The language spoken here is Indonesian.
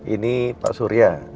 ini pak surya